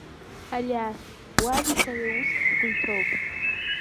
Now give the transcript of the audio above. Алиас, уаби сареи уск ҳгәы иҭоуп.